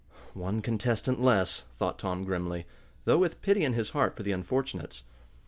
"One contestant less," thought Tom, grimly, though with pity in his heart for the unfortunates.